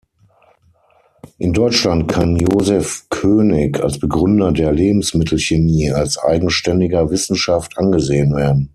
In Deutschland kann Joseph König als Begründer der Lebensmittelchemie als eigenständiger Wissenschaft angesehen werden.